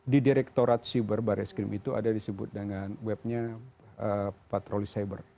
di direktorat cyber barreskrim itu ada disebut dengan webnya patroli cyber